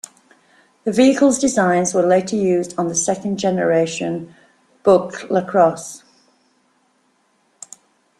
The vehicle's designs were later used on the second generation Buick LaCrosse.